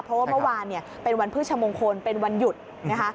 เพราะว่าเมื่อวานเนี่ยเป็นวันพฤชมงคลเป็นวันหยุดนะคะ